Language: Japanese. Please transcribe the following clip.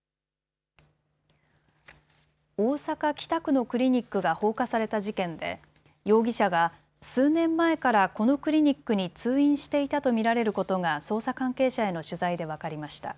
大阪北区のクリニックが放火された事件で容疑者が数年前からこのクリニックに通院していたと見られることが捜査関係者への取材で分かりました。